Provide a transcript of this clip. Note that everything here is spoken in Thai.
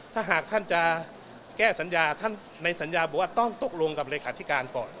ถ้าหากท่านจะแก้สัญญาท่านในสัญญาบอกว่าต้องตกลงกับเลขาธิการก่อน